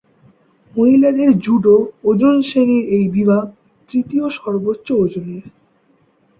মহিলাদের জুডো ওজন শ্রেণীর এই বিভাগ তৃতীয় সর্বোচ্চ ওজনের।